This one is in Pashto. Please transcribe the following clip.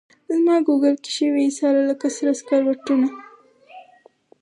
زماګوګل کي شوې ایساره لکه سره سکروټه